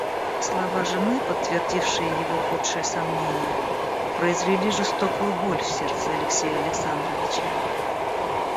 Слова жены, подтвердившие его худшие сомнения, произвели жестокую боль в сердце Алексея Александровича.